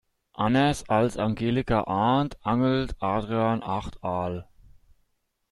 Anders als Angelika Arndt angelt Adrian acht Aale.